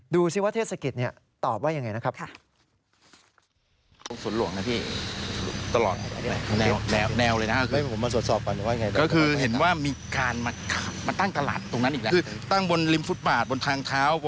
ดูสิว่าเทศกิตเนี่ยตอบว่าอย่างไรนะครับ